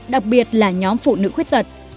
đặc biệt là nhóm phụ nữ khuyết tật